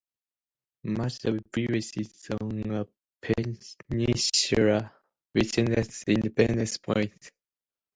Much of the village is on a peninsula, which ends at Independence Point.